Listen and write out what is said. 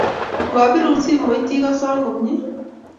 Ngabirun simet igiso komnyei?